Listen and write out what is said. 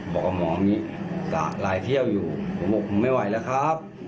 บอกกับหมอมีสระลายเที่ยวอยู่ผมบอกผมไม่ไหวแล้วครับ